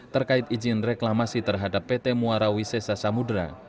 terkait izin reklamasi terhadap pt muarawisesa samudera